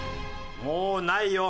もうないよ。